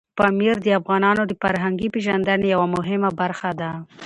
پامیر د افغانانو د فرهنګي پیژندنې یوه مهمه برخه ده.